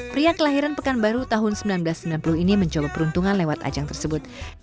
pria kelahiran pekanbaru tahun seribu sembilan ratus sembilan puluh ini mencoba peruntungan lewat ajang tersebut